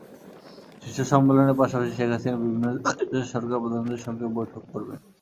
শীর্ষ সম্মেলনের পাশাপাশি শেখ হাসিনা বিভিন্ন দেশের সরকারপ্রধানদের সঙ্গে বৈঠক করবেন।